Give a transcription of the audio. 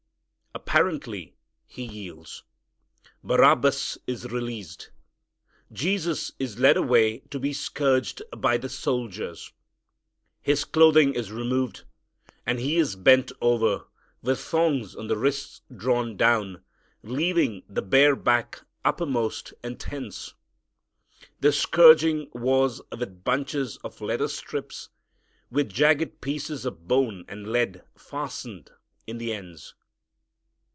Apparently he yields. Barabbas is released. Jesus is led away to be scourged by the soldiers. His clothing is removed, and He is bent over, with thongs on the wrists drawn down, leaving the bare back uppermost and tense. The scourging was with bunches of leather strips with jagged pieces of bone and lead fastened in the ends.